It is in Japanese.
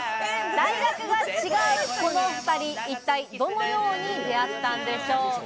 大学は違うこの２人、一体どのように出会ったんでしょうか？